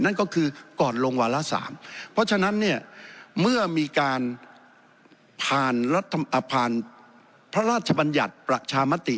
นั่นก็คือก่อนลงวาระ๓เพราะฉะนั้นเนี่ยเมื่อมีการผ่านพระราชบัญญัติประชามติ